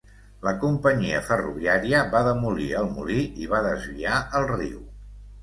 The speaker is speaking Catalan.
La companyia ferroviària va demolir el molí i va desviar el riu.